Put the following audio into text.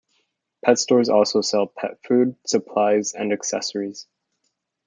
Pet stores also sell pet food, supplies, and accessories.